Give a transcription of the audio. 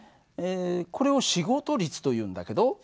これを仕事率というんだけどｔ秒間に